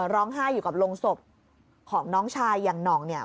ร้องไห้อยู่กับโรงศพของน้องชายอย่างหน่องเนี่ย